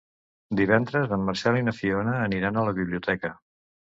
Divendres en Marcel i na Fiona aniran a la biblioteca.